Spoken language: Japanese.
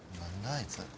あいつ。